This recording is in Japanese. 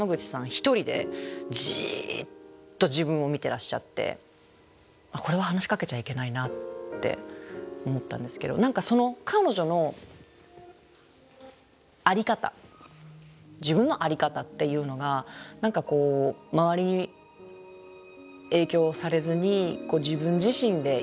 一人でじっと自分を見てらっしゃってこれは話しかけちゃいけないなって思ったんですけど何かその彼女の在り方自分の在り方っていうのが何かこう周りに影響されずに自分自身でいる。